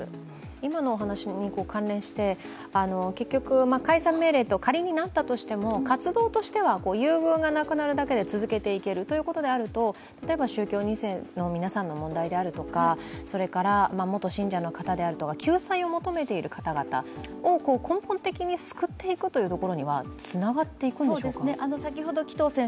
今のお話に関連して、結局、解散命令と仮になったとしても活動としては優遇がなくなるだけで、続けていけるということであると、例えば宗教２世の皆さんの問題であるとか、それから、元信者の方であるとか救済を求めている方々を根本的に救っていくというところにはつながっていくんでしょうか。